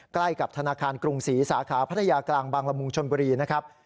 ใกล้กับธนาคารกรุงศรีสาขาพัทยากลางบางละมุงชนบุรีนะครับ